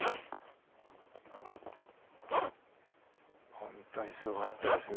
本当にすごかったですね。